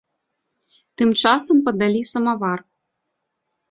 Тым часам падалі самавар.